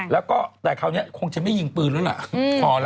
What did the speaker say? แล้วก็แต่คราวนี้คงจะไม่ยิงปืนแล้วล่ะพอแล้ว